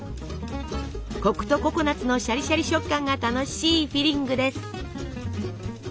コクとココナツのシャリシャリ食感が楽しいフィリングです。